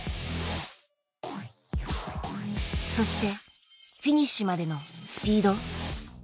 そしてフィニッシュまでのスピード。